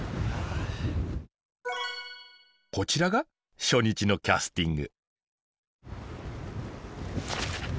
こちらが初日のキャスティング。